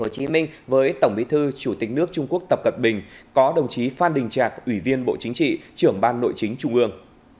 chủ tịch nước trung quốc tập cận bình có đồng chí phan đình trạc ủy viên bộ chính trị trưởng ban nội chính trung ương